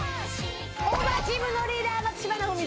オーバーチームのリーダー松嶋尚美です。